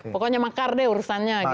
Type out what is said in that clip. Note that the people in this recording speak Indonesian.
pokoknya makar deh urusannya gitu